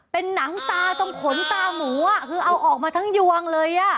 เป็นหนังตาตรงขนตาหมูอ่ะคือเอาออกมาทั้งยวงเลยอ่ะ